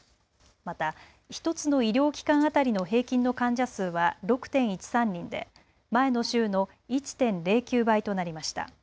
また、１つの医療機関当たりの平均の患者数は６．１３人で前の週の１．０９倍となりました。